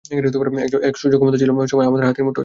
এক সূর্যসমান ক্ষমতা ছিল আমার হাতের মুঠোয়।